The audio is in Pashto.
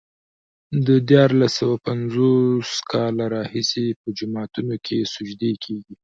د دیارلس سوه پنځوس کاله راهيسې په جوماتونو کې سجدې کېږي.